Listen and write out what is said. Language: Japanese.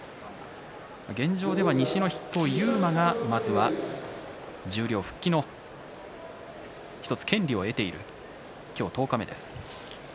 現状では西の筆頭の勇磨がまずは十両復帰の１つ権利を得ている今日十日目です。